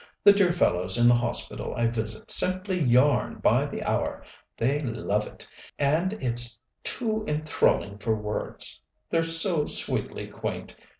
The dear fellows in the hospital I visit simply yarn by the hour they love it and it's too enthralling for words. They're so sweetly quaint.